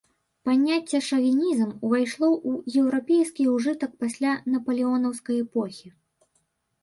Паняцце шавінізм увайшло ў еўрапейскі ўжытак пасля напалеонаўскай эпохі.